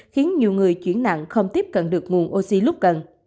khiến nhiều người chuyển nặng không tiếp cận được nguồn oxy lúc cần